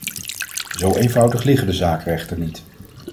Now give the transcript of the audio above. Zo eenvoudig liggen de zaken echter niet.